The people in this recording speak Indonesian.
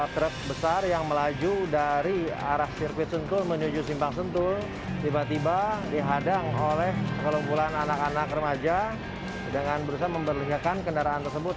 truk besar yang melaju dari arah sirkuit sentul menuju simpang sentul tiba tiba dihadang oleh kelumpulan anak anak remaja dengan berusaha memperlihatkan kendaraan tersebut